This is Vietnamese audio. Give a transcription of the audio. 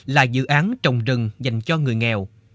là dự án trồng rừng dành cho người nghèo